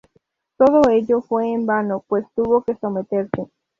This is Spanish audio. Todo ello fue en vano, pues tuvo que someterse.